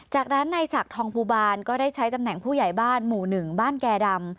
จากนั้นนายศักดิ์ทองภูบาลก็ได้ใช้ตำแหน่งผู้ใหญ่บ้านหมู่๑บ้านแก่ดำ